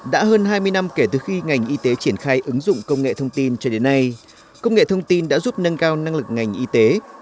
đã hơn hai mươi năm kể từ khi ngành y tế triển khai ứng dụng công nghệ thông tin cho đến nay công nghệ thông tin đã giúp nâng cao năng lực ngành y tế